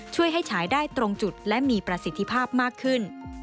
ช่วยให้ฉายได้ตรงจุดและมีประสิทธิภาพมากขึ้น